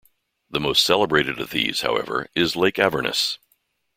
The most celebrated of these, however, is Lake Avernus.